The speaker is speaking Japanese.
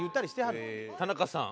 田中さん。